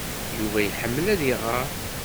Yuba iḥemmel ad iɣer.